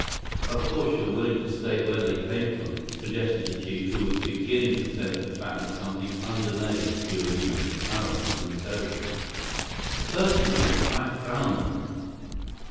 "Of course you're willing to state where they came from?" suggested the chief, who was beginning to sense the fact that something underlay Thurene's apparent sincerity. "Certainly. I found them."